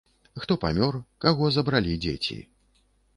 Хто памёр, каго забралі дзеці.